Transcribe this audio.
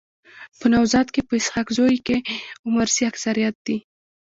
په نوزاد کي په اسحق زو کي عمرزي اکثريت دي.